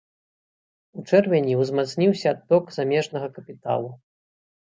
У чэрвені ўзмацніўся адток замежнага капіталу.